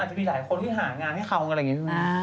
อ่า้จะมีหลายคนที่หางานให้เขาอะไรอย่างนี้